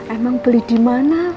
emang beli dimana